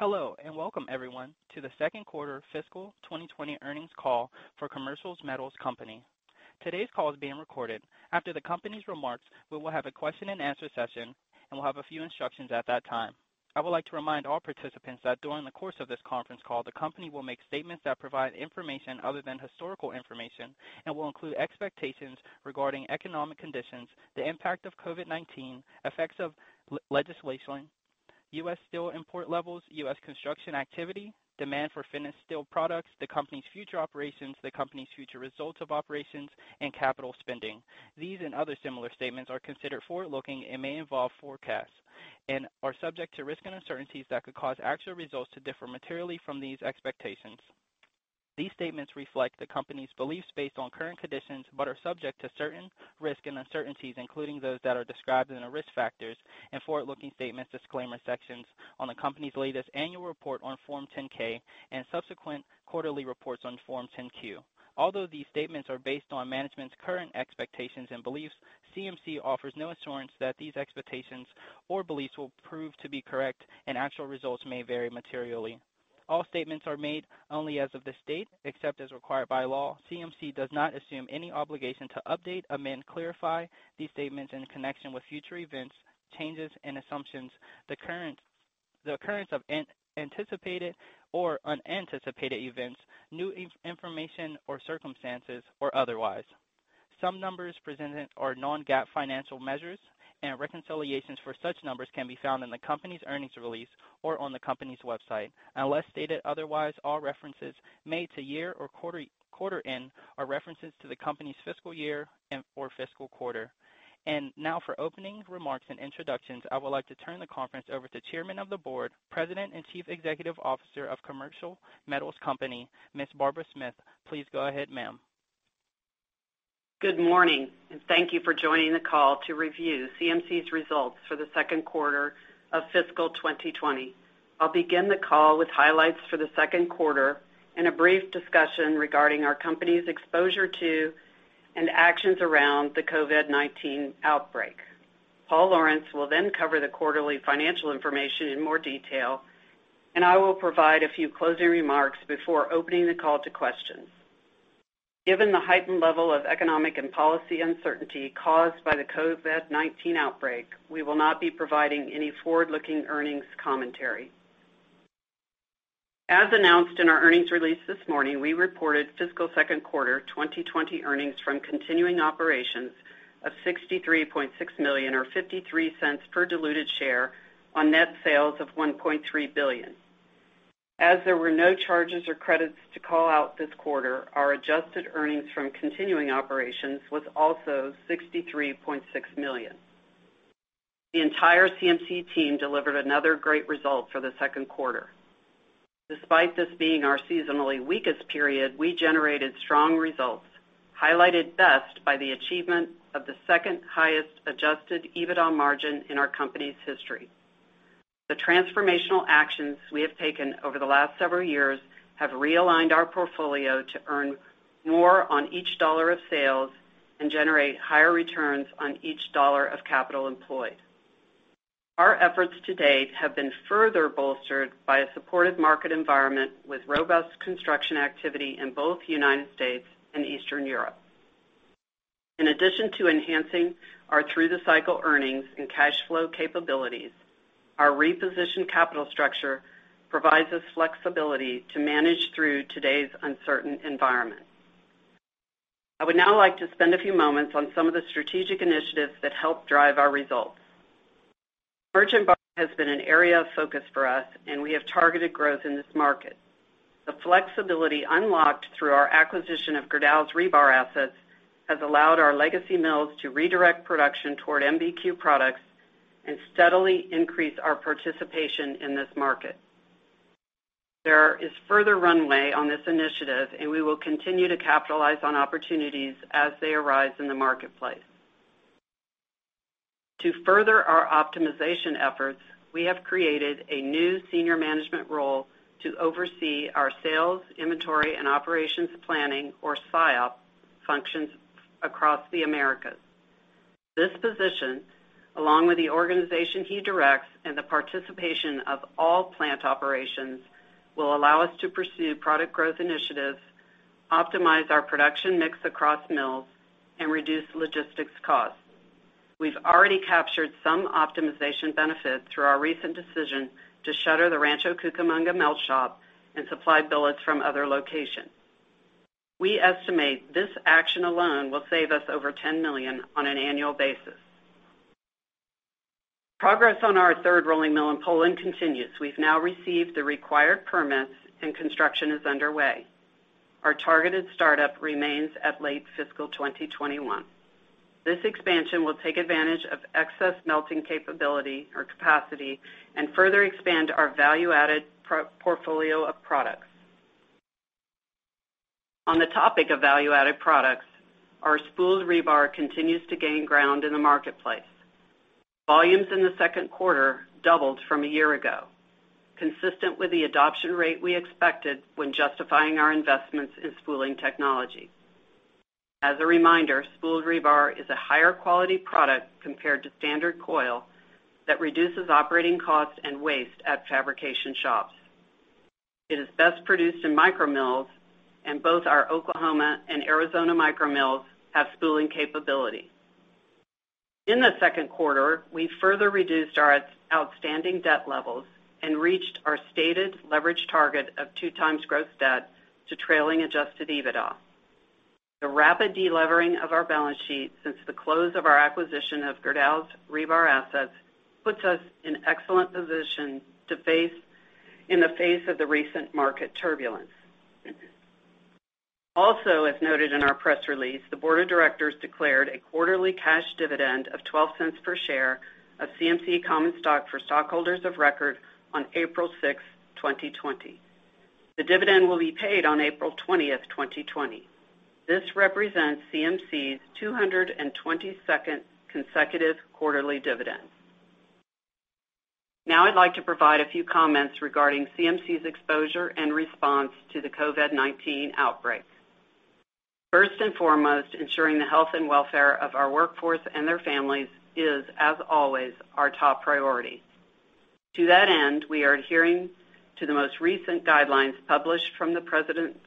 Hello, welcome everyone to the second quarter fiscal 2020 earnings call for Commercial Metals Company. Today's call is being recorded. After the company's remarks, we will have a question and answer session. We'll have a few instructions at that time. I would like to remind all participants that during the course of this conference call, the company will make statements that provide information other than historical information and will include expectations regarding economic conditions, the impact of COVID-19, effects of legislation, U.S. steel import levels, U.S. construction activity, demand for finished steel products, the company's future operations, the company's future results of operations, and capital spending. These and other similar statements are considered forward-looking and may involve forecasts, and are subject to risks and uncertainties that could cause actual results to differ materially from these expectations. These statements reflect the company's beliefs based on current conditions, but are subject to certain risks and uncertainties, including those that are described in the Risk Factors and Forward-Looking Statements Disclaimer sections on the company's latest annual report on Form 10-K and subsequent quarterly reports on Form 10-Q. Although these statements are based on management's current expectations and beliefs, CMC offers no assurance that these expectations or beliefs will prove to be correct, and actual results may vary materially. All statements are made only as of this date. Except as required by law, CMC does not assume any obligation to update, amend, clarify these statements in connection with future events, changes in assumptions, the occurrence of anticipated or unanticipated events, new information or circumstances, or otherwise. Some numbers presented are non-GAAP financial measures, and reconciliations for such numbers can be found in the company's earnings release or on the company's website. Unless stated otherwise, all references made to year or quarter end are references to the company's fiscal year and/or fiscal quarter. Now for opening remarks and introductions, I would like to turn the conference over to Chairman of the Board, President and Chief Executive Officer of Commercial Metals Company, Ms. Barbara Smith. Please go ahead, ma'am. Good morning. Thank you for joining the call to review CMC's results for the second quarter of fiscal 2020. I'll begin the call with highlights for the second quarter and a brief discussion regarding our company's exposure to and actions around the COVID-19 outbreak. Paul Lawrence will then cover the quarterly financial information in more detail. I will provide a few closing remarks before opening the call to questions. Given the heightened level of economic and policy uncertainty caused by the COVID-19 outbreak, we will not be providing any forward-looking earnings commentary. As announced in our earnings release this morning, we reported fiscal second quarter 2020 earnings from continuing operations of $63.6 million, or $0.53 per diluted share on net sales of $1.3 billion. As there were no charges or credits to call out this quarter, our adjusted earnings from continuing operations was also $63.6 million. The entire CMC team delivered another great result for the second quarter. Despite this being our seasonally weakest period, we generated strong results, highlighted best by the achievement of the second highest adjusted EBITDA margin in our company's history. The transformational actions we have taken over the last several years have realigned our portfolio to earn more on each dollar of sales and generate higher returns on each dollar of capital employed. Our efforts to date have been further bolstered by a supportive market environment with robust construction activity in both the United States and Eastern Europe. In addition to enhancing our through-the-cycle earnings and cash flow capabilities, our repositioned capital structure provides us flexibility to manage through today's uncertain environment. I would now like to spend a few moments on some of the strategic initiatives that help drive our results. Merchant bar has been an area of focus for us, and we have targeted growth in this market. The flexibility unlocked through our acquisition of Gerdau's rebar assets has allowed our legacy mills to redirect production toward MBQ products and steadily increase our participation in this market. There is further runway on this initiative, and we will continue to capitalize on opportunities as they arise in the marketplace. To further our optimization efforts, we have created a new senior management role to oversee our sales, inventory, and operations planning, or SIOP, functions across the Americas. This position, along with the organization he directs and the participation of all plant operations, will allow us to pursue product growth initiatives, optimize our production mix across mills, and reduce logistics costs. We've already captured some optimization benefits through our recent decision to shutter the Rancho Cucamonga mill shop and supply billets from other locations. We estimate this action alone will save us over $10 million on an annual basis. Progress on our third rolling mill in Poland continues. We've now received the required permits, and construction is underway. Our targeted startup remains at late fiscal 2021. This expansion will take advantage of excess melting capability or capacity and further expand our value-added portfolio of products. On the topic of value-added products, our spooled rebar continues to gain ground in the marketplace. Volumes in the second quarter doubled from a year ago, consistent with the adoption rate we expected when justifying our investments in spooling technology. As a reminder, spooled rebar is a higher quality product compared to standard coil that reduces operating costs and waste at fabrication shops. It is best produced in micromills, and both our Oklahoma and Arizona micromills have spooling capability. In the second quarter, we further reduced our outstanding debt levels and reached our stated leverage target of 2x gross debt to trailing adjusted EBITDA. The rapid de-levering of our balance sheet since the close of our acquisition of Gerdau's rebar assets puts us in excellent position in the face of the recent market turbulence. Also, as noted in our press release, the board of directors declared a quarterly cash dividend of $0.12 per share of CMC common stock for stockholders of record on April 6th, 2020. The dividend will be paid on April 20th, 2020. This represents CMC's 222nd consecutive quarterly dividend. Now I'd like to provide a few comments regarding CMC's exposure and response to the COVID-19 outbreak. First and foremost, ensuring the health and welfare of our workforce and their families is, as always, our top priority. To that end, we are adhering to the most recent guidelines published from The President's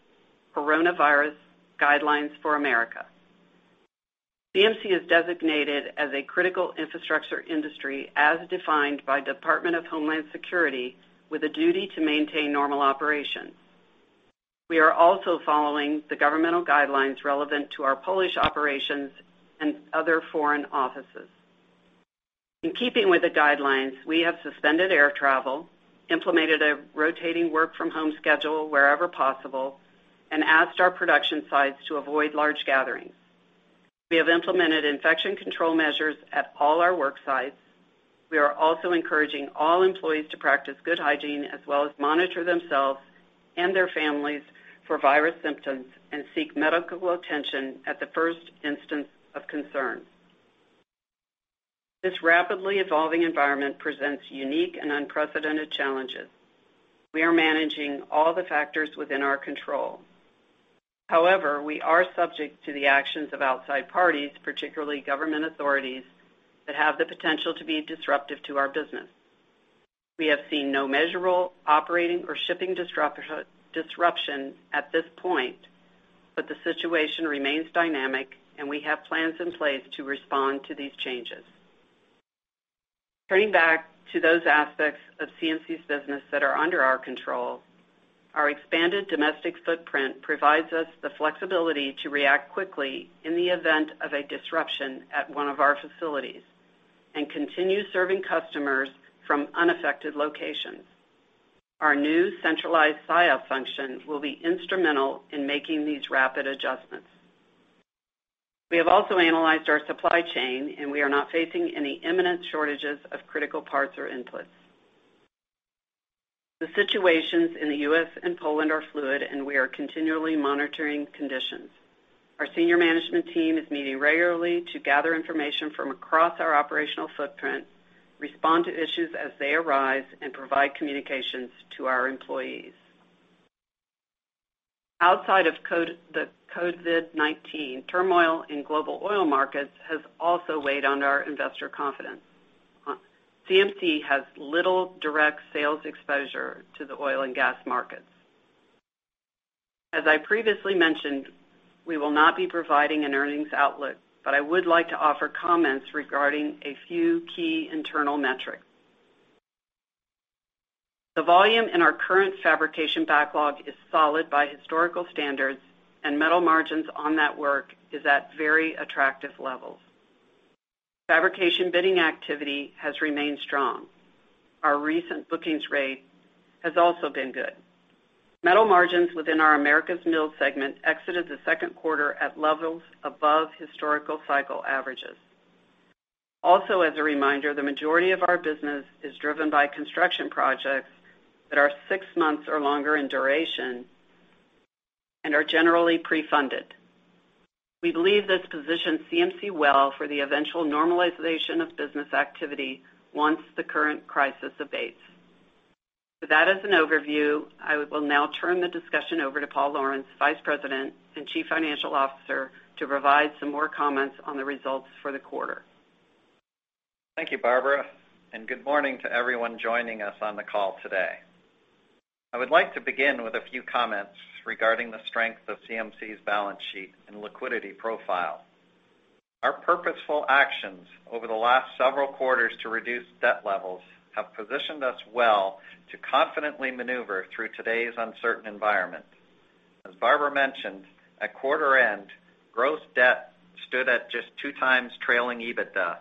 Coronavirus Guidelines for America. CMC is designated as a critical infrastructure industry as defined by Department of Homeland Security with a duty to maintain normal operations. We are also following the governmental guidelines relevant to our Polish operations and other foreign offices. In keeping with the guidelines, we have suspended air travel, implemented a rotating work from home schedule wherever possible, and asked our production sites to avoid large gatherings. We have implemented infection control measures at all our work sites. We are also encouraging all employees to practice good hygiene as well as monitor themselves and their families for virus symptoms and seek medical attention at the first instance of concern. This rapidly evolving environment presents unique and unprecedented challenges. We are managing all the factors within our control. We are subject to the actions of outside parties, particularly government authorities, that have the potential to be disruptive to our business. We have seen no measurable operating or shipping disruption at this point, but the situation remains dynamic, and we have plans in place to respond to these changes. Turning back to those aspects of CMC's business that are under our control, our expanded domestic footprint provides us the flexibility to react quickly in the event of a disruption at one of our facilities, and continue serving customers from unaffected locations. Our new centralized SIOP function will be instrumental in making these rapid adjustments. We have also analyzed our supply chain, and we are not facing any imminent shortages of critical parts or inputs. The situations in the U.S. and Poland are fluid, and we are continually monitoring conditions. Our senior management team is meeting regularly to gather information from across our operational footprint, respond to issues as they arise, and provide communications to our employees. Outside of the COVID-19, turmoil in global oil markets has also weighed on our investor confidence. CMC has little direct sales exposure to the oil and gas markets. As I previously mentioned, we will not be providing an earnings outlook, but I would like to offer comments regarding a few key internal metrics. The volume in our current fabrication backlog is solid by historical standards, and metal margins on that work is at very attractive levels. Fabrication bidding activity has remained strong. Our recent bookings rate has also been good. Metal margins within our Americas Mills segment exited the second quarter at levels above historical cycle averages. Also, as a reminder, the majority of our business is driven by construction projects that are six months or longer in duration and are generally pre-funded. We believe this positions CMC well for the eventual normalization of business activity once the current crisis abates. With that as an overview, I will now turn the discussion over to Paul Lawrence, Vice President and Chief Financial Officer, to provide some more comments on the results for the quarter. Thank you, Barbara. Good morning to everyone joining us on the call today. I would like to begin with a few comments regarding the strength of CMC's balance sheet and liquidity profile. Our purposeful actions over the last several quarters to reduce debt levels have positioned us well to confidently maneuver through today's uncertain environment. As Barbara mentioned, at quarter end, gross debt stood at just 2x trailing EBITDA,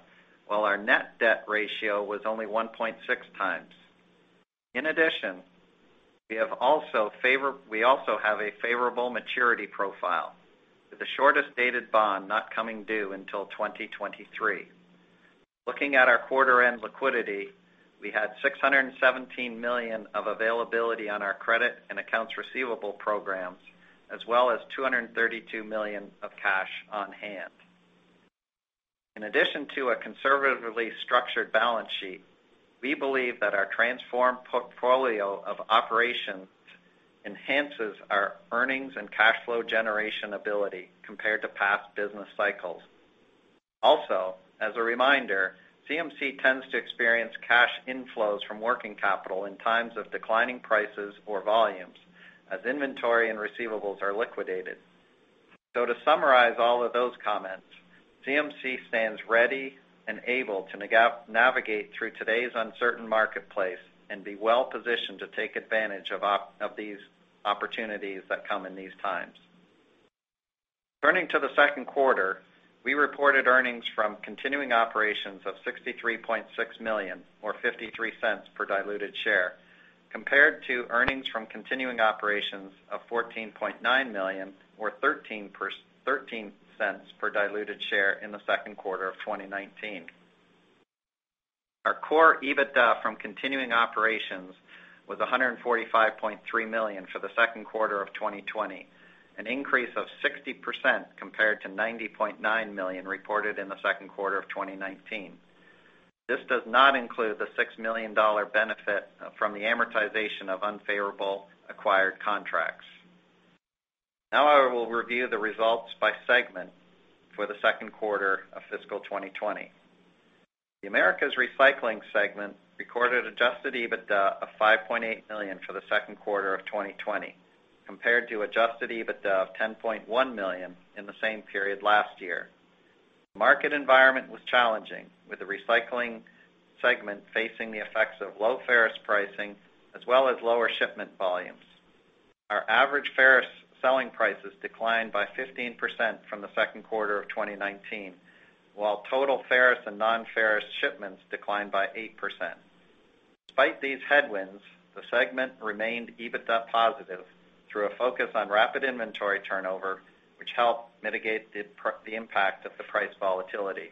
while our net debt ratio was only 1.6x. In addition, we also have a favorable maturity profile, with the shortest dated bond not coming due until 2023. Looking at our quarter-end liquidity, we had $617 million of availability on our credit and accounts receivable programs, as well as $232 million of cash on hand. In addition to a conservatively structured balance sheet, we believe that our transformed portfolio of operations enhances our earnings and cash flow generation ability compared to past business cycles. Also, as a reminder, CMC tends to experience cash inflows from working capital in times of declining prices or volumes as inventory and receivables are liquidated. To summarize all of those comments, CMC stands ready and able to navigate through today's uncertain marketplace and be well-positioned to take advantage of these opportunities that come in these times. Turning to the second quarter, we reported earnings from continuing operations of $63.6 million or $0.53 per diluted share, compared to earnings from continuing operations of $14.9 million or $0.13 per diluted share in the second quarter of 2019. Our core EBITDA from continuing operations was $145.3 million for the second quarter of 2020, an increase of 60% compared to $90.9 million reported in the second quarter of 2019. This does not include the $6 million benefit from the amortization of unfavorable acquired contracts. Now I will review the results by segment for the second quarter of fiscal 2020. The Americas Recycling segment recorded adjusted EBITDA of $5.8 million for the second quarter of 2020, compared to adjusted EBITDA of $10.1 million in the same period last year. The market environment was challenging, with the Recycling segment facing the effects of low ferrous pricing, as well as lower shipment volumes. Our average ferrous selling prices declined by 15% from the second quarter of 2019, while total ferrous and non-ferrous shipments declined by 8%. Despite these headwinds, the segment remained EBITDA positive through a focus on rapid inventory turnover, which helped mitigate the impact of the price volatility.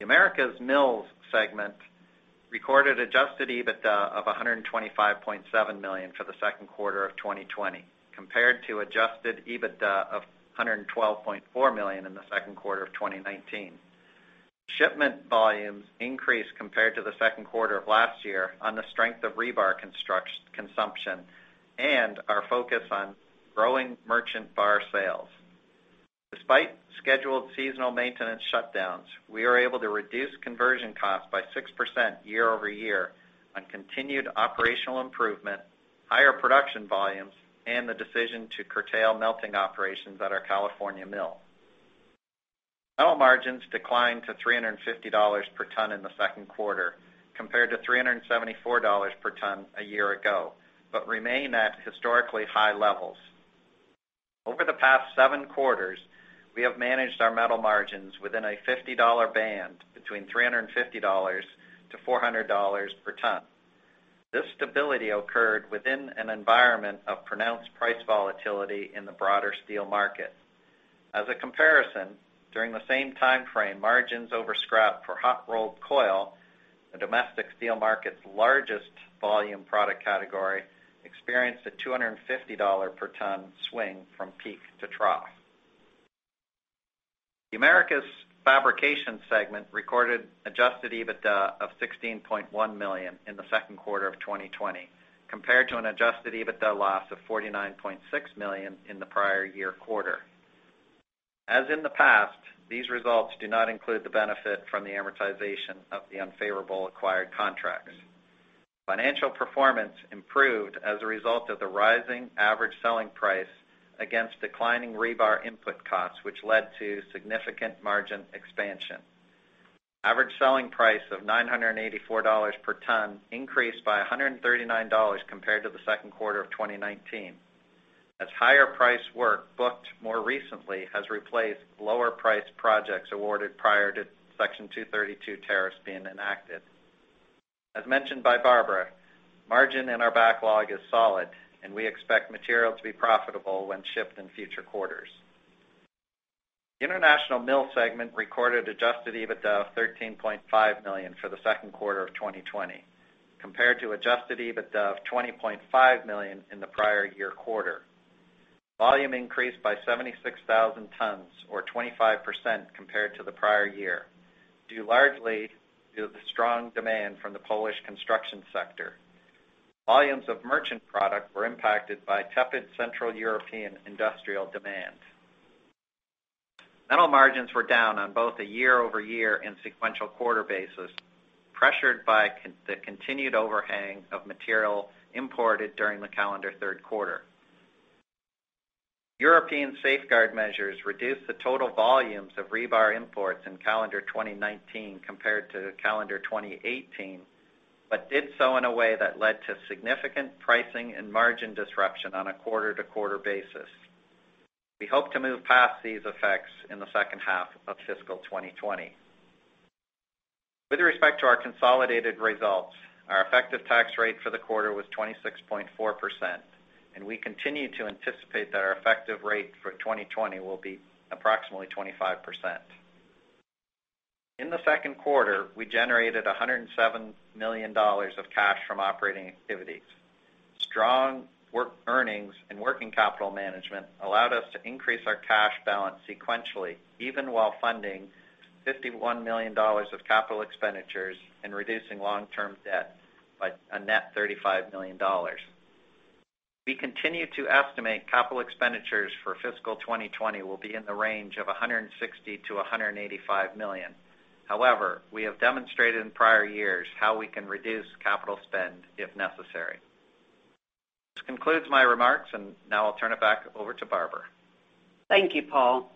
The Americas Mills segment recorded adjusted EBITDA of $125.7 million for the second quarter of 2020, compared to adjusted EBITDA of $112.4 million in the second quarter of 2019. Shipment volumes increased compared to the second quarter of last year on the strength of rebar consumption and our focus on growing merchant bar sales. Despite scheduled seasonal maintenance shutdowns, we were able to reduce conversion costs by 6% year-over-year on continued operational improvement, higher production volumes, and the decision to curtail melting operations at our California mill. Metal margins declined to $350 per ton in the second quarter, compared to $374 per ton a year ago, but remain at historically high levels. Over the past seven quarters, we have managed our metal margins within a $50 band between $350-$400 per ton. This stability occurred within an environment of pronounced price volatility in the broader steel market. As a comparison, during the same timeframe, margins over scrap for hot rolled coil, the domestic steel market's largest volume product category, experienced a $250 per ton swing from peak to trough. The Americas Fabrication segment recorded adjusted EBITDA of $16.1 million in the second quarter of 2020, compared to an adjusted EBITDA loss of $49.6 million in the prior year quarter. As in the past, these results do not include the benefit from the amortization of the unfavorable acquired contracts. Financial performance improved as a result of the rising average selling price against declining rebar input costs, which led to significant margin expansion. Average selling price of $984 per ton increased by $139 compared to the second quarter of 2019, as higher priced work booked more recently has replaced lower priced projects awarded prior to Section 232 tariffs being enacted. As mentioned by Barbara, margin in our backlog is solid, and we expect material to be profitable when shipped in future quarters. The International Mill segment recorded adjusted EBITDA of $13.5 million for the second quarter of 2020, compared to adjusted EBITDA of $20.5 million in the prior year quarter. Volume increased by 76,000 tons or 25% compared to the prior year, due largely to the strong demand from the Polish construction sector. Volumes of merchant product were impacted by tepid Central European industrial demand. Metal margins were down on both a year-over-year and sequential quarter basis, pressured by the continued overhang of material imported during the calendar third quarter. European safeguard measures reduced the total volumes of rebar imports in calendar 2019 compared to calendar 2018, but did so in a way that led to significant pricing and margin disruption on a quarter-to-quarter basis. We hope to move past these effects in the second half of fiscal 2020. With respect to our consolidated results, our effective tax rate for the quarter was 26.4%, and we continue to anticipate that our effective rate for 2020 will be approximately 25%. In the second quarter, we generated $107 million of cash from operating activities. Strong work earnings and working capital management allowed us to increase our cash balance sequentially, even while funding $51 million of capital expenditures and reducing long-term debt by a net $35 million. We continue to estimate capital expenditures for fiscal 2020 will be in the range of $160 million-$185 million. We have demonstrated in prior years how we can reduce capital spend if necessary. This concludes my remarks. Now I'll turn it back over to Barbara. Thank you, Paul.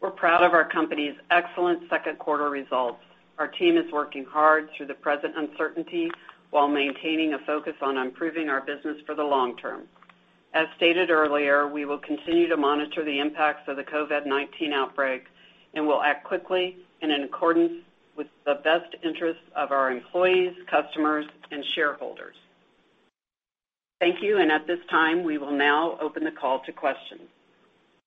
We're proud of our company's excellent second quarter results. Our team is working hard through the present uncertainty while maintaining a focus on improving our business for the long term. As stated earlier, we will continue to monitor the impacts of the COVID-19 outbreak. We'll act quickly and in accordance with the best interests of our employees, customers, and shareholders. Thank you. At this time, we will now open the call to questions.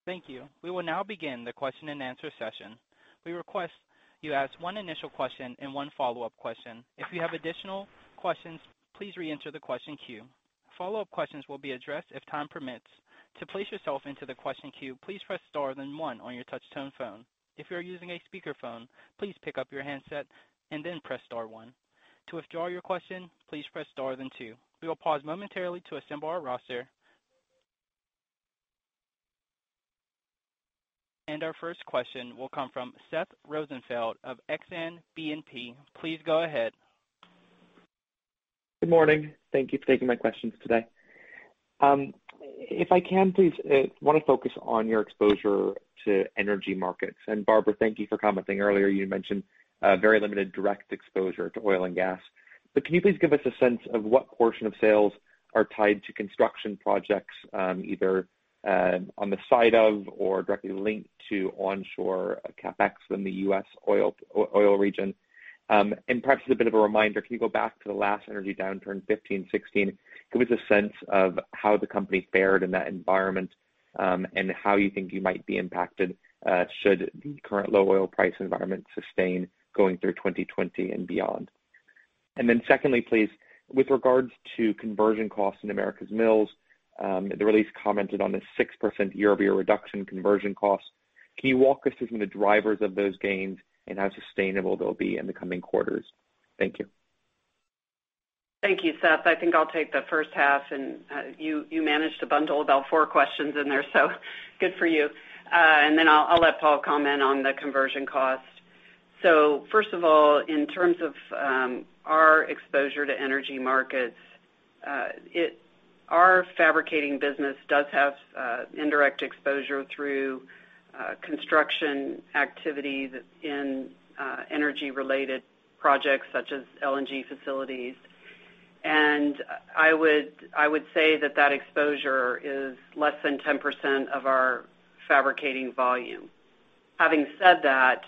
Thank you. We will now begin the question and answer session. We request you ask one initial question and one follow-up question. If you have additional questions, please reenter the question queue. Follow-up questions will be addressed if time permits. To place yourself into the question queue, please press star then one on your touch-tone phone. If you are using a speakerphone, please pick up your handset and then press star one. To withdraw your question, please press star then two. We will pause momentarily to assemble our roster. Our first question will come from Seth Rosenfeld of Exane BNP Paribas. Please go ahead. Good morning. Thank you for taking my questions today. If I can please, I want to focus on your exposure to energy markets. Barbara, thank you for commenting earlier. You mentioned very limited direct exposure to oil and gas. Can you please give us a sense of what portion of sales are tied to construction projects, either on the side of or directly linked to onshore CapEx in the U.S. oil region? Perhaps as a bit of a reminder, can you go back to the last energy downturn, 2015, 2016, give us a sense of how the company fared in that environment, and how you think you might be impacted should the current low oil price environment sustain going through 2020 and beyond. Secondly, please, with regards to conversion costs in Americas Mills, the release commented on a 6% year-over-year reduction conversion cost. Can you walk us through some of the drivers of those gains and how sustainable they'll be in the coming quarters? Thank you. Thank you, Seth. I think I'll take the first half, and you managed to bundle about four questions in there, so good for you. Then I'll let Paul comment on the conversion cost. First of all, in terms of our exposure to energy markets, our fabricating business does have indirect exposure through construction activities in energy-related projects such as LNG facilities. I would say that that exposure is less than 10% of our fabricating volume. Having said that,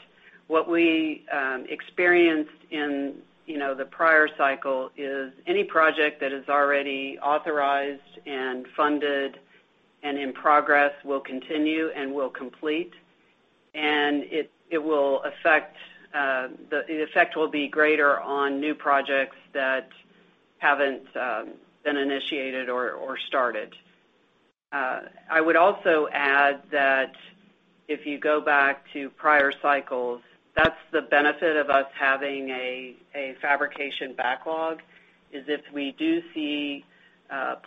what we experienced in the prior cycle is any project that is already authorized and funded and in progress will continue and will complete, and the effect will be greater on new projects that haven't been initiated or started. I would also add that if you go back to prior cycles, that's the benefit of us having a fabrication backlog, is if we do see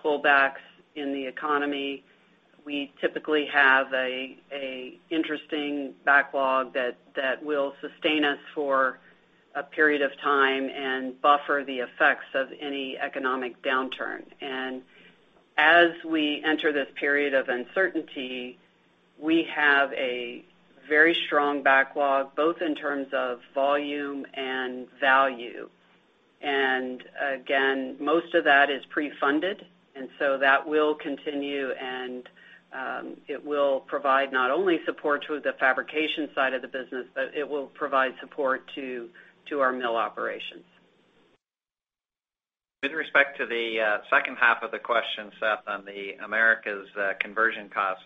pullbacks in the economy, we typically have an interesting backlog that will sustain us for a period of time and buffer the effects of any economic downturn. As we enter this period of uncertainty, we have a very strong backlog, both in terms of volume and value. Again, most of that is pre-funded, and so that will continue, and it will provide not only support to the fabrication side of the business, but it will provide support to our mill operations. With respect to the second half of the question, Seth, on the Americas conversion costs,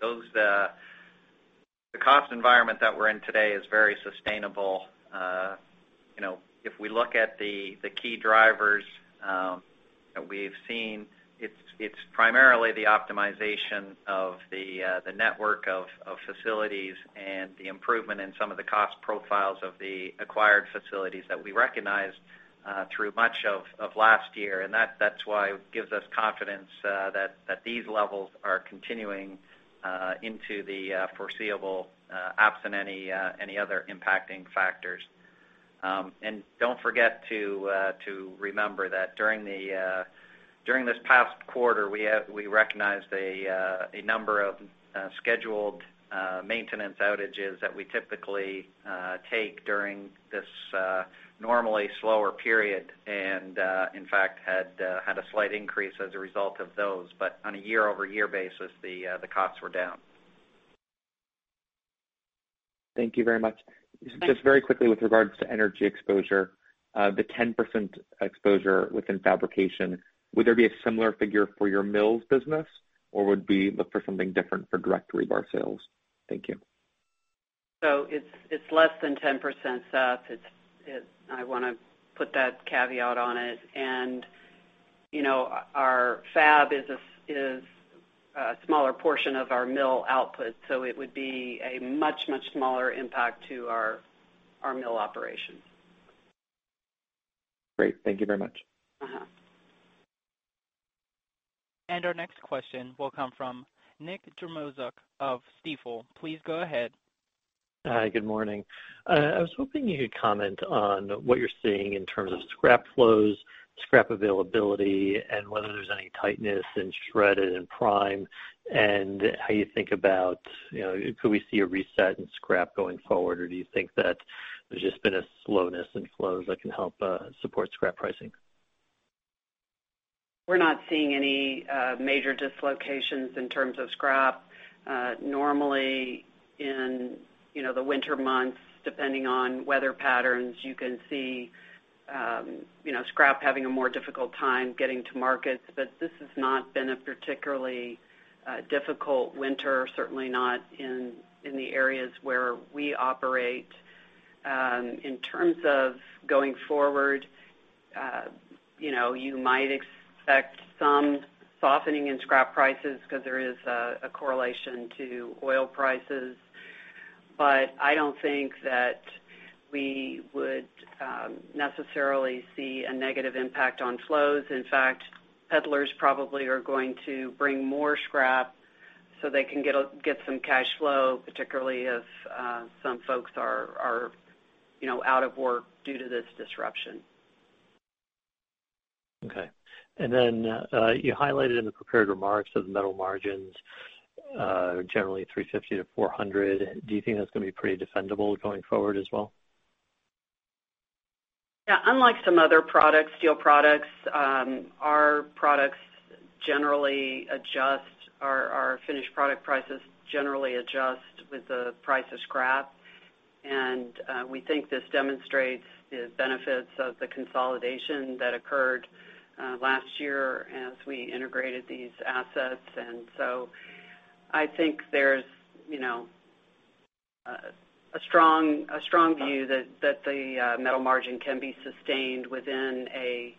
the cost environment that we're in today is very sustainable. If we look at the key drivers that we've seen, it's primarily the optimization of the network of facilities and the improvement in some of the cost profiles of the acquired facilities that we recognized through much of last year. That's why it gives us confidence that these levels are continuing into the foreseeable, absent any other impacting factors. Don't forget to remember that during this past quarter, we recognized a number of scheduled maintenance outages that we typically take during this normally slower period, and in fact, had a slight increase as a result of those. On a year-over-year basis, the costs were down. Thank you very much. Thanks. Just very quickly with regards to energy exposure. The 10% exposure within Fabrication, would there be a similar figure for your Mills business? Would we look for something different for direct rebar sales? Thank you. It's less than 10%, Seth. I want to put that caveat on it. Our fab is a smaller portion of our mill output, so it would be a much, much smaller impact to our mill operations. Great. Thank you very much. Our next question will come from Nick Jarmoszuk of Stifel. Please go ahead. Hi. Good morning. I was hoping you could comment on what you're seeing in terms of scrap flows, scrap availability, and whether there's any tightness in shred and in prime, and how you think about, could we see a reset in scrap going forward, or do you think that there's just been a slowness in flows that can help support scrap pricing? We're not seeing any major dislocations in terms of scrap. Normally in the winter months, depending on weather patterns, you can see scrap having a more difficult time getting to markets. This has not been a particularly difficult winter, certainly not in the areas where we operate. In terms of going forward, you might expect some softening in scrap prices because there is a correlation to oil prices. I don't think that we would necessarily see a negative impact on flows. In fact, peddlers probably are going to bring more scrap so they can get some cash flow, particularly if some folks are out of work due to this disruption. Okay. You highlighted in the prepared remarks that the metal margins are generally $350-$400. Do you think that's going to be pretty defendable going forward as well? Yeah. Unlike some other products, steel products, our finished product prices generally adjust with the price of scrap. We think this demonstrates the benefits of the consolidation that occurred last year as we integrated these assets. I think there's a strong view that the metal margin can be sustained within a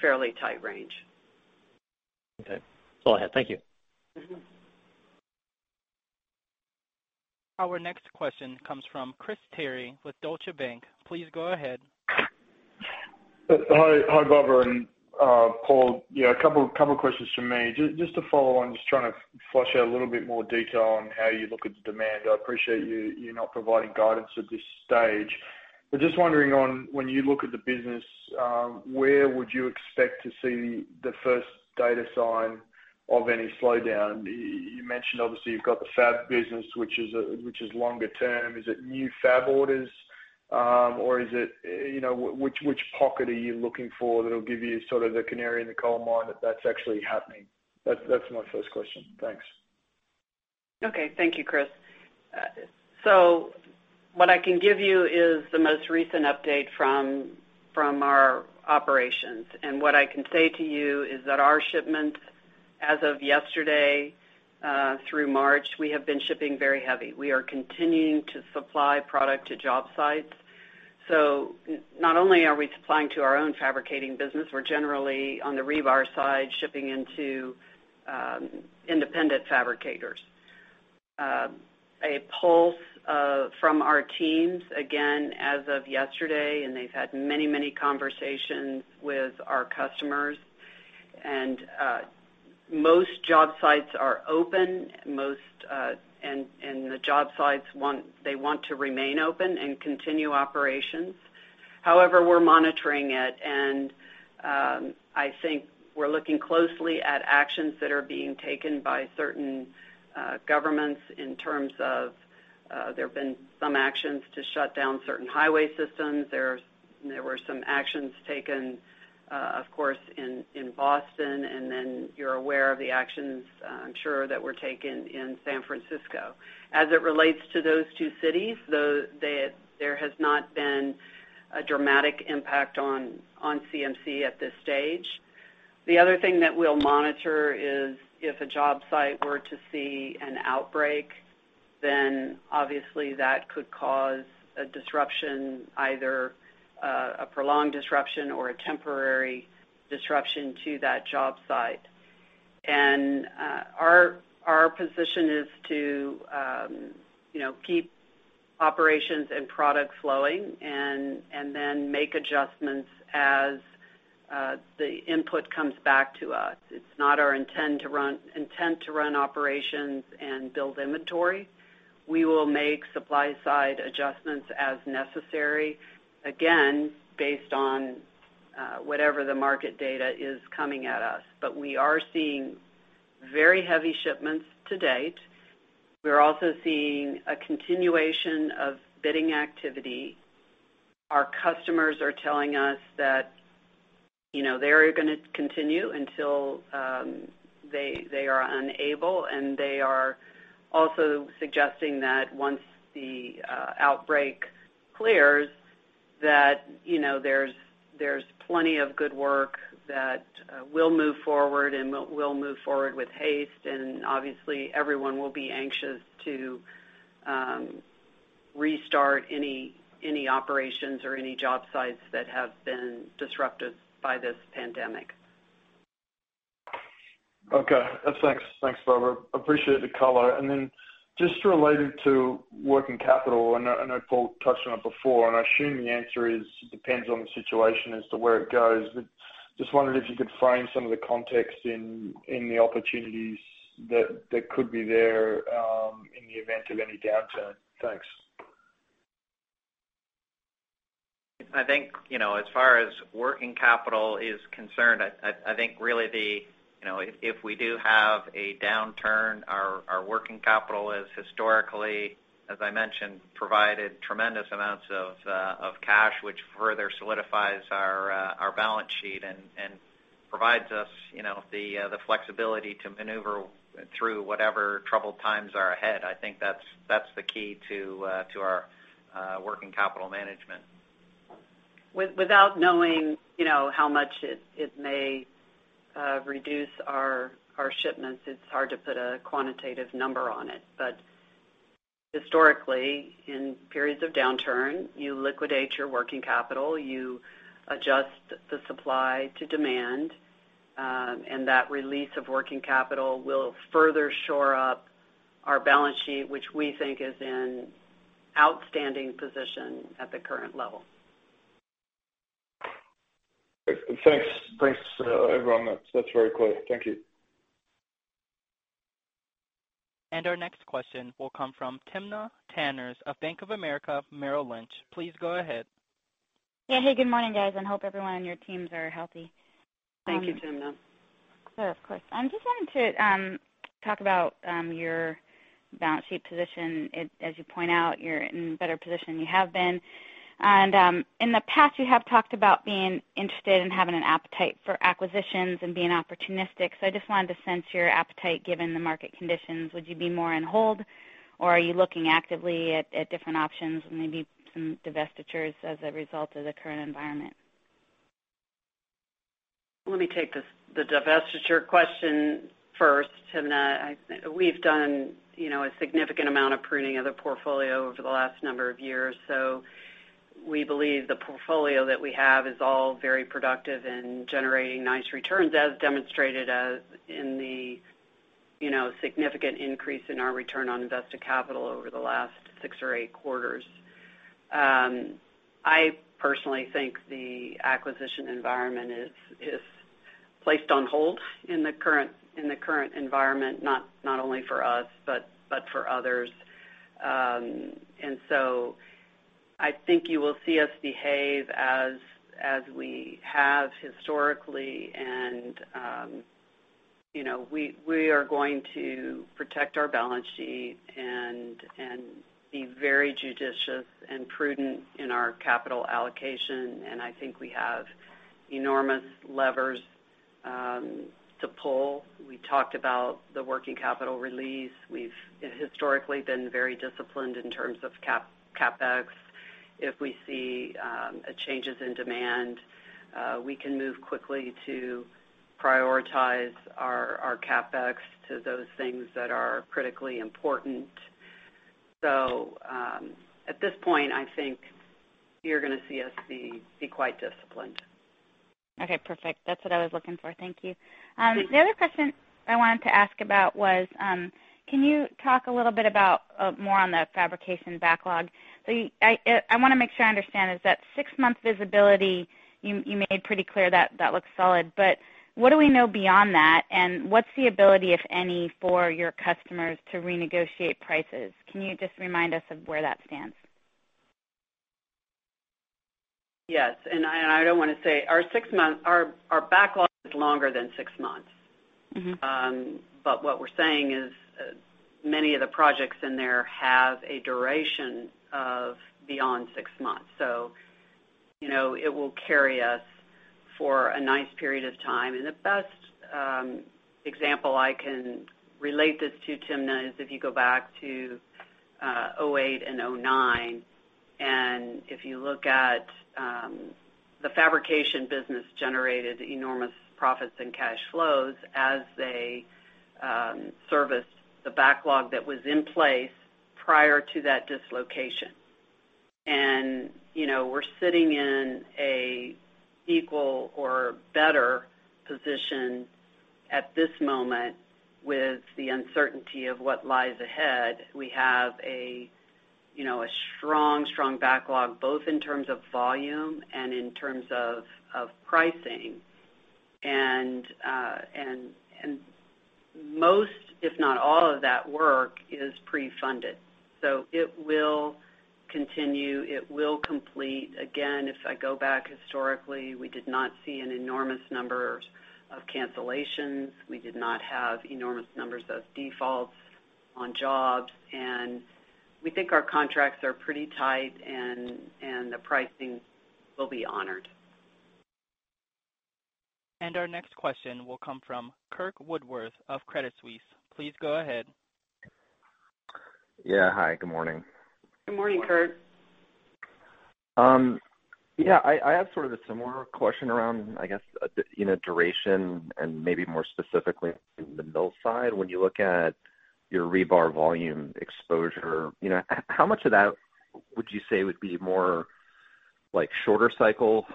fairly tight range. Okay. That's all I had. Thank you. Our next question comes from Chris Terry with Deutsche Bank. Please go ahead. Hi, Barbara and Paul. Yeah, a couple of questions from me. Just to follow on, just trying to flush out a little bit more detail on how you look at the demand. I appreciate you're not providing guidance at this stage. Just wondering on when you look at the business, where would you expect to see the first data sign of any slowdown? You mentioned, obviously, you've got the fab business, which is longer term. Is it new fab orders? Which pocket are you looking for that'll give you sort of the canary in the coal mine that that's actually happening? That's my first question. Thanks. Thank you, Chris. What I can give you is the most recent update from our operations. What I can say to you is that our shipments, as of yesterday through March, we have been shipping very heavy. We are continuing to supply product to job sites. Not only are we supplying to our own fabricating business, we're generally, on the rebar side, shipping into independent fabricators. A pulse from our teams, again, as of yesterday, and they've had many conversations with our customers, and most job sites are open. The job sites, they want to remain open and continue operations. However, we're monitoring it. I think we're looking closely at actions that are being taken by certain governments in terms of, there have been some actions to shut down certain highway systems. There were some actions taken, of course, in Boston. You're aware of the actions, I'm sure, that were taken in San Francisco. As it relates to those two cities, there has not been a dramatic impact on CMC at this stage. The other thing that we'll monitor is if a job site were to see an outbreak, then obviously that could cause a disruption, either a prolonged disruption or a temporary disruption to that job site. Our position is to keep operations and product flowing and then make adjustments as the input comes back to us. It's not our intent to run operations and build inventory. We will make supply-side adjustments as necessary, again, based on whatever the market data is coming at us. We are seeing very heavy shipments to date. We are also seeing a continuation of bidding activity. Our customers are telling us they're going to continue until they are unable. They are also suggesting that once the outbreak clears, that there's plenty of good work that will move forward and will move forward with haste. Obviously everyone will be anxious to restart any operations or any job sites that have been disrupted by this pandemic. Okay. Thanks, Barbara. Appreciate the color. Then just related to working capital, I know Paul touched on it before, and I assume the answer is, it depends on the situation as to where it goes, but just wondered if you could frame some of the context in the opportunities that could be there in the event of any downturn. Thanks. I think, as far as working capital is concerned, I think really if we do have a downturn, our working capital has historically, as I mentioned, provided tremendous amounts of cash, which further solidifies our balance sheet and provides us the flexibility to maneuver through whatever troubled times are ahead. I think that's the key to our working capital management. Without knowing how much it may reduce our shipments, it's hard to put a quantitative number on it. Historically, in periods of downturn, you liquidate your working capital, you adjust the supply to demand, and that release of working capital will further shore up our balance sheet, which we think is in outstanding position at the current level. Thanks, everyone. That's very clear. Thank you. Our next question will come from Timna Tanners of Bank of America, Merrill Lynch. Please go ahead. Yeah. Hey, good morning, guys. Hope everyone on your teams are healthy. Thank you, Timna. Sure, of course. I'm just wanting to talk about your balance sheet position. As you point out, you're in a better position you have been. In the past, you have talked about being interested in having an appetite for acquisitions and being opportunistic. I just wanted to sense your appetite given the market conditions. Would you be more on hold, or are you looking actively at different options and maybe some divestitures as a result of the current environment? Let me take the divestiture question first, Timna. We believe the portfolio that we have is all very productive in generating nice returns, as demonstrated in the significant increase in our return on invested capital over the last six or eight quarters. I personally think the acquisition environment is placed on hold in the current environment, not only for us, but for others. I think you will see us behave as we have historically. We are going to protect our balance sheet and be very judicious and prudent in our capital allocation. I think we have enormous levers to pull. We talked about the working capital release. We've historically been very disciplined in terms of CapEx. If we see changes in demand, we can move quickly to prioritize our CapEx to those things that are critically important. At this point, I think you're going to see us be quite disciplined. Okay, perfect. That's what I was looking for. Thank you. The other question I wanted to ask about was, can you talk a little bit about more on the Fabrication backlog? I want to make sure I understand is that six-month visibility, you made pretty clear that looks solid, but what do we know beyond that, and what's the ability, if any, for your customers to renegotiate prices? Can you just remind us of where that stands? Yes. I don't want to say our backlog is longer than six months. What we're saying is many of the projects in there have a duration of beyond six months. It will carry us for a nice period of time. The best example I can relate this to, Timna, is if you go back to 2008 and 2009, and if you look at the Americas Fabrication business generated enormous profits and cash flows as they serviced the backlog that was in place prior to that dislocation. We're sitting in a equal or better position at this moment with the uncertainty of what lies ahead. We have a strong backlog, both in terms of volume and in terms of pricing. Most, if not all of that work is pre-funded. It will continue. It will complete. Again, if I go back historically, we did not see an enormous number of cancellations. We did not have enormous numbers of defaults on jobs. We think our contracts are pretty tight, and the pricing will be honored. Our next question will come from Curt Woodworth of Credit Suisse. Please go ahead. Yeah. Hi, good morning. Good morning, Curt. Yeah, I have sort of a similar question around, I guess, duration and maybe more specifically in the mill side. When you look at your rebar volume exposure, how much of that would you say would be more shorter cycle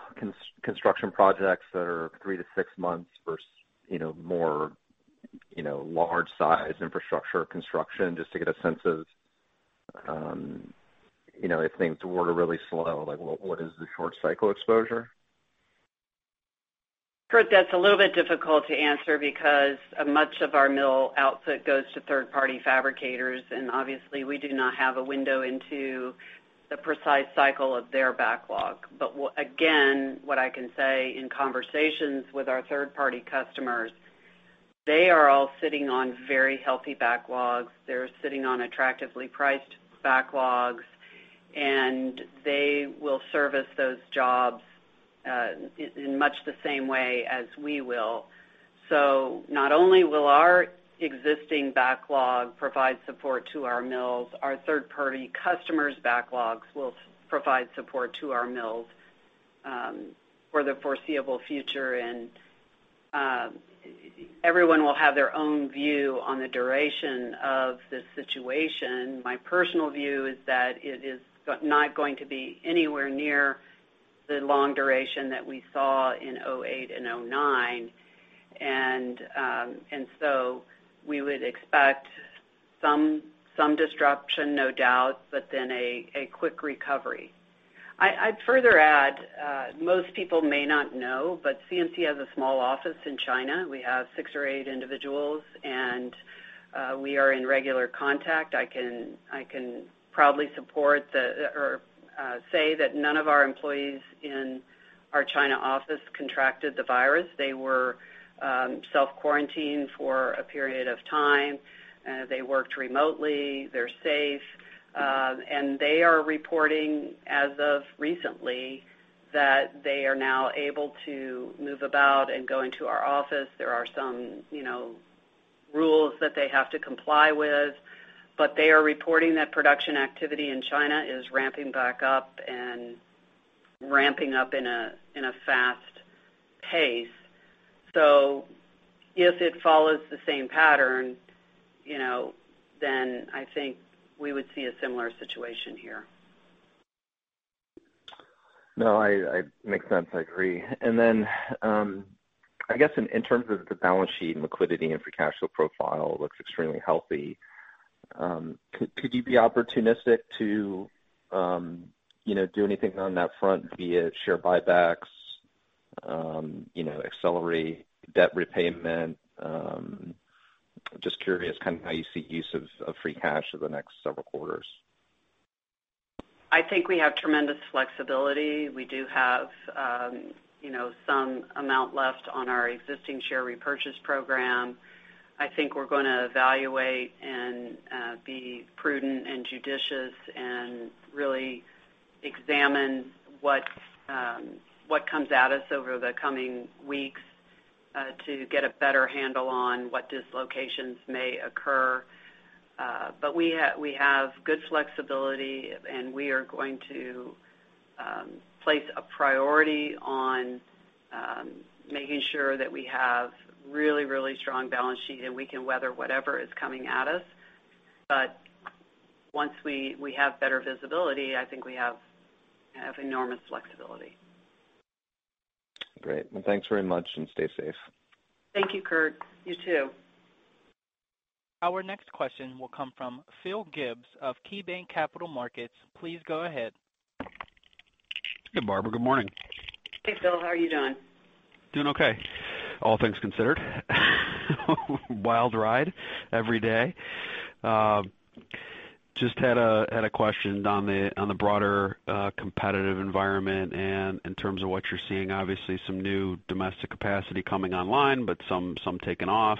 construction projects that are three to six months versus more large size infrastructure construction, just to get a sense of, if things were to really slow, what is the short cycle exposure? Curt, that's a little bit difficult to answer because much of our mill output goes to third-party fabricators, obviously we do not have a window into the precise cycle of their backlog. Again, what I can say in conversations with our third-party customers, they are all sitting on very healthy backlogs. They're sitting on attractively priced backlogs, they will service those jobs in much the same way as we will. Not only will our existing backlog provide support to our mills, our third-party customers' backlogs will provide support to our mills for the foreseeable future. Everyone will have their own view on the duration of this situation. My personal view is that it is not going to be anywhere near the long duration that we saw in 2008 and 2009. We would expect some disruption, no doubt, but then a quick recovery. I'd further add, most people may not know, CMC has a small office in China. We have six or eight individuals, we are in regular contact. I can probably say that none of our employees in our China office contracted the virus. They were self-quarantined for a period of time. They worked remotely. They're safe. They are reporting, as of recently, that they are now able to move about and go into our office. There are some rules that they have to comply with. They are reporting that production activity in China is ramping back up and ramping up in a fast pace. If it follows the same pattern, I think we would see a similar situation here. No, makes sense. I agree. I guess in terms of the balance sheet and liquidity and free cash flow profile, looks extremely healthy. Could you be opportunistic to do anything on that front via share buybacks, accelerate debt repayment? Just curious kind of how you see use of free cash for the next several quarters. I think we have tremendous flexibility. We do have some amount left on our existing share repurchase program. I think we're going to evaluate and be prudent and judicious and really examine what comes at us over the coming weeks to get a better handle on what dislocations may occur. We have good flexibility, and we are going to place a priority on making sure that we have really, really strong balance sheet, and we can weather whatever is coming at us. Once we have better visibility, I think we have enormous flexibility. Great. Well, thanks very much, and stay safe. Thank you, Curt. You too. Our next question will come from Phil Gibbs of KeyBanc Capital Markets. Please go ahead. Good, Barbara. Good morning. Hey, Phil. How are you doing? Doing okay, all things considered. Wild ride every day. Just had a question on the broader competitive environment and in terms of what you're seeing, obviously some new domestic capacity coming online, but some taken off.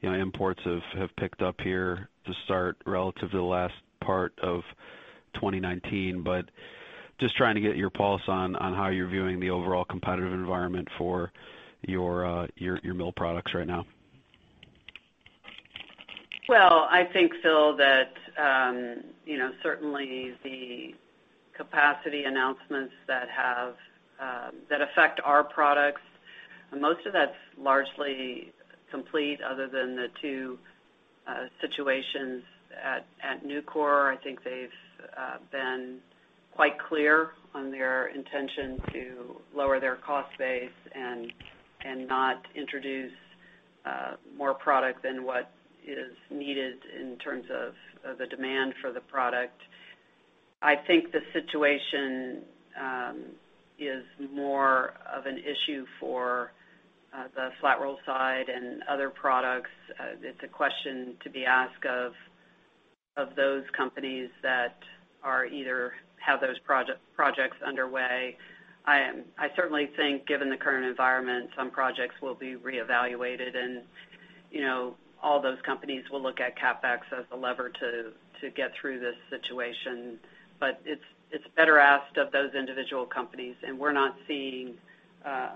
Imports have picked up here to start relative to the last part of 2019. Just trying to get your pulse on how you're viewing the overall competitive environment for your mill products right now. Well, I think, Phil, that certainly the capacity announcements that affect our products, most of that's largely complete other than the two situations at Nucor. I think they've been quite clear on their intention to lower their cost base and not introduce more product than what is needed in terms of the demand for the product. I think the situation is more of an issue for the flat roll side and other products. It's a question to be asked of those companies that have those projects underway. I certainly think given the current environment, some projects will be reevaluated and all those companies will look at CapEx as a lever to get through this situation. It's better asked of those individual companies, and we're not seeing a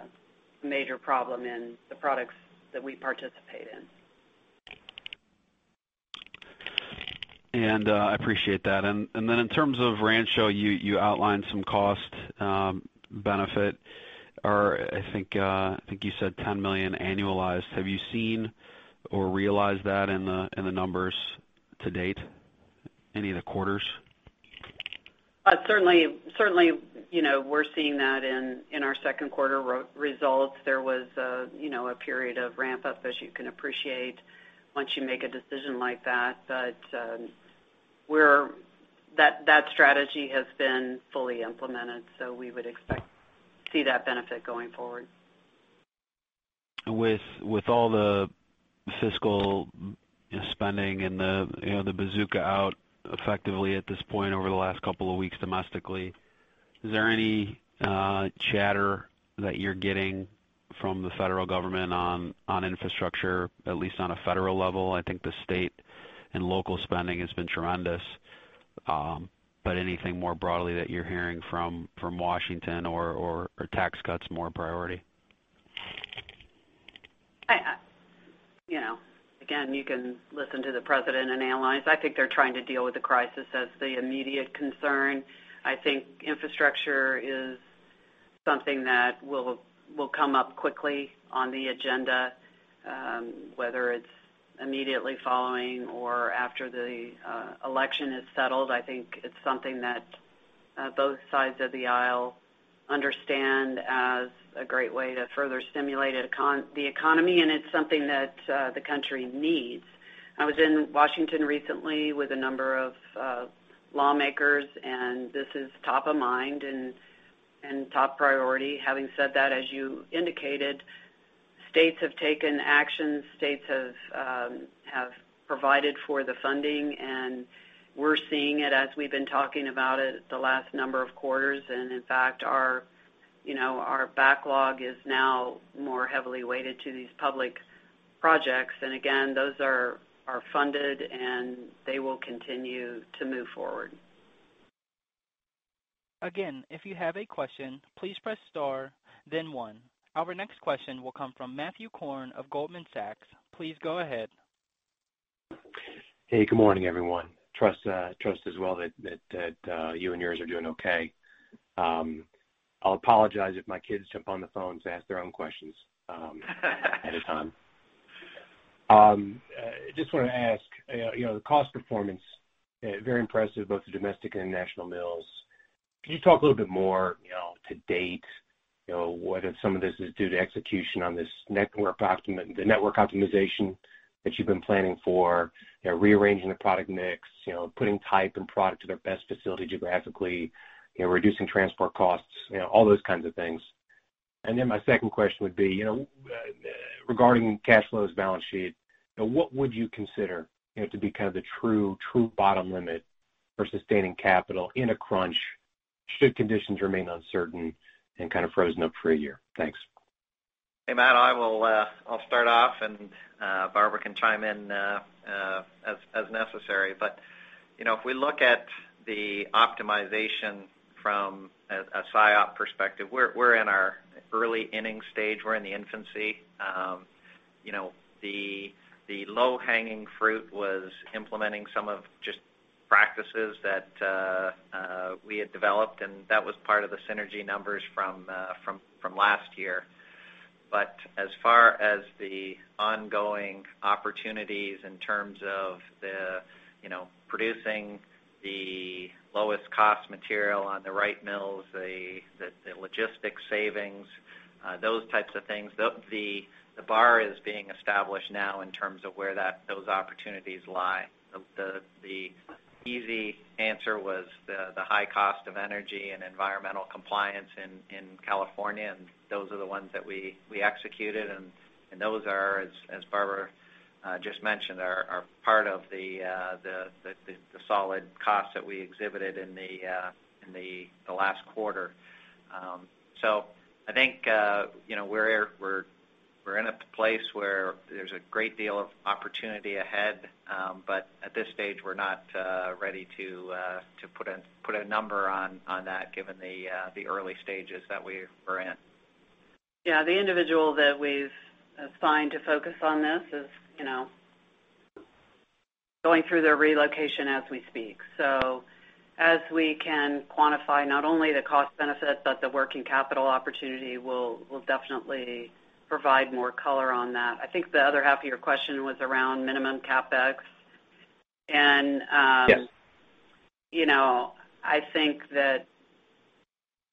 major problem in the products that we participate in. I appreciate that. In terms of Rancho, you outlined some cost benefit, or I think you said $10 million annualized. Have you seen or realized that in the numbers to date? Any of the quarters? Certainly, we're seeing that in our second quarter results. There was a period of ramp-up, as you can appreciate, once you make a decision like that. That strategy has been fully implemented, so we would expect to see that benefit going forward. With all the fiscal spending and the bazooka out effectively at this point over the last couple of weeks domestically, is there any chatter that you're getting from the federal government on infrastructure, at least on a federal level? I think the state and local spending has been tremendous. Anything more broadly that you're hearing from Washington or are tax cuts more a priority? Again, you can listen to the President and analyze. I think they're trying to deal with the crisis as the immediate concern. I think infrastructure is something that will come up quickly on the agenda, whether it's immediately following or after the election is settled. I think it's something that both sides of the aisle understand as a great way to further stimulate the economy, and it's something that the country needs. I was in Washington recently with a number of lawmakers, and this is top of mind and top priority. Having said that, as you indicated, states have taken action. States have provided for the funding, and we're seeing it as we've been talking about it the last number of quarters. In fact, our backlog is now more heavily weighted to these public projects. Again, those are funded, and they will continue to move forward. Again, if you have a question, please press star then one. Our next question will come from Matthew Korn of Goldman Sachs. Please go ahead. Hey, good morning, everyone. Trust as well that you and yours are doing okay. I'll apologize if my kids jump on the phone to ask their own questions ahead of time. Just want to ask, the cost performance, very impressive, both the Americas Mills and International Mills. Can you talk a little bit more, to date, whether some of this is due to execution on the network optimization that you've been planning for, rearranging the product mix, putting type and product to their best facility geographically, reducing transport costs, all those kinds of things. My second question would be, regarding cash flows, balance sheet, what would you consider to be kind of the true bottom limit for sustaining capital in a crunch should conditions remain uncertain and kind of frozen up for a year? Thanks. Hey, Matt, I will start off and Barbara can chime in as necessary. If we look at the optimization from a SIOP perspective, we're in our early inning stage. We're in the infancy. The low-hanging fruit was implementing some of just practices that we had developed, and that was part of the synergy numbers from last year. As far as the ongoing opportunities in terms of the producing the lowest cost material on the right mills, the logistics savings, those types of things, the bar is being established now in terms of where those opportunities lie. The easy answer was the high cost of energy and environmental compliance in California, and those are the ones that we executed, and those are, as Barbara just mentioned, are part of the solid cost that we exhibited in the last quarter. I think we're in a place where there's a great deal of opportunity ahead. At this stage, we're not ready to put a number on that given the early stages that we are in. Yeah. The individual that we've assigned to focus on this is going through their relocation as we speak. As we can quantify not only the cost benefit, but the working capital opportunity, we'll definitely provide more color on that. I think the other half of your question was around minimum CapEx. Yes I think that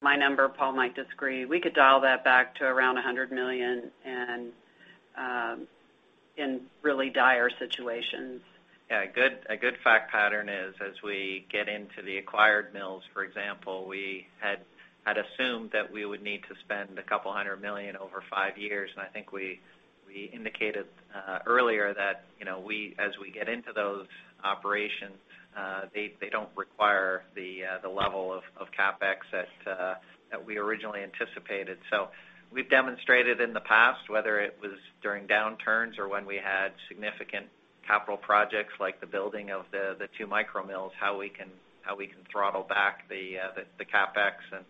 my number, Paul might disagree. We could dial that back to around $100 million and in really dire situations. Yeah, a good fact pattern is as we get into the acquired mills, for example, we had assumed that we would need to spend $200 million over five years, I think we indicated earlier that as we get into those operations, they don't require the level of CapEx that we originally anticipated. We've demonstrated in the past, whether it was during downturns or when we had significant capital projects like the building of the two micromills, how we can throttle back the CapEx.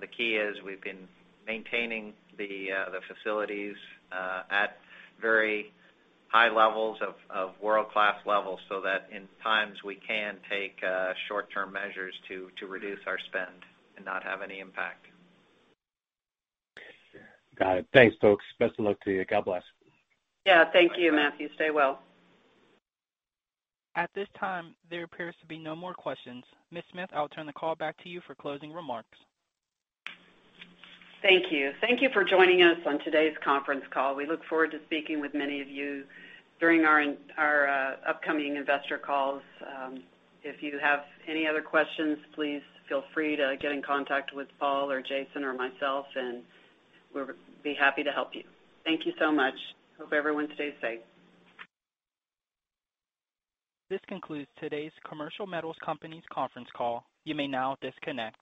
The key is we've been maintaining the facilities at very high levels of world-class levels so that in times we can take short-term measures to reduce our spend and not have any impact. Got it. Thanks, folks. Best of luck to you. God bless. Yeah. Thank you, Matthew. Stay well. At this time, there appears to be no more questions. Ms. Smith, I'll turn the call back to you for closing remarks. Thank you. Thank you for joining us on today's conference call. We look forward to speaking with many of you during our upcoming investor calls. If you have any other questions, please feel free to get in contact with Paul or Jason or myself. We'll be happy to help you. Thank you so much. Hope everyone stays safe. This concludes today's Commercial Metals Company's conference call. You may now disconnect.